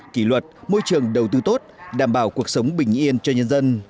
kỷ luật môi trường đầu tư tốt đảm bảo cuộc sống bình yên cho nhân dân